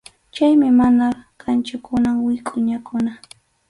Chaymi mana kanchu kunan wikʼuñakuna.